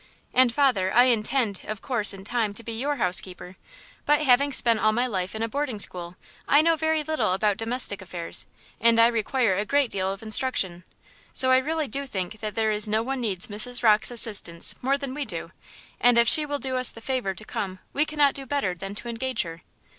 "And, father, I intend, of course, in time, to be your housekeeper; but, having spent all my life in a boarding school, I know very little about domestic affairs, and I require a great deal of instruction; so I really do think that there is no one needs Mrs. Rocke's assistance more than we do, and if she will do us the favor to come we cannot do better than to engage her."